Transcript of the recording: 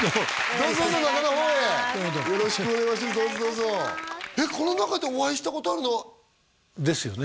どうぞどうぞこの中でお会いしたことあるのはですよね？